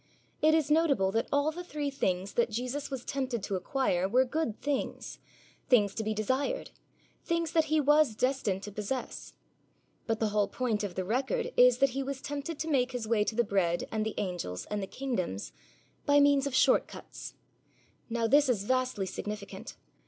It is notable that all the three things that Jesus was tempted to acquire were good things, things to be desired, things that He was destined to possess. But the whole point of the record is that He was tempted to make His way to the bread and the angels and the kingdoms by means of short cuts. Now this is vastly significant.